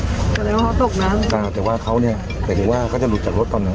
อะไรวะเขาตกน้ำค่ะแต่ว่าเขาเนี่ยเห็นหรือว่าเขาจะหลุดจากรถตอนนั้น